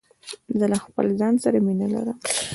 زه له خپل ځان سره مینه لرم.